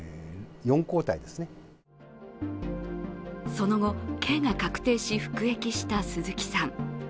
その後、刑が確定し服役した鈴木さん。